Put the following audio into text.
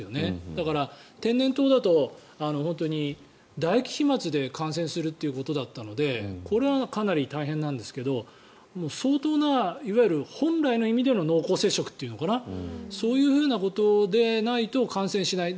だから天然痘だとだ液、飛まつで感染するということだったのでこれはかなり大変なんですけど相当な、いわゆる本来の意味での濃厚接触というのかなそういうふうなことでないと感染しない。